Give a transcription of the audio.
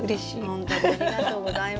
ほんとにありがとうございます。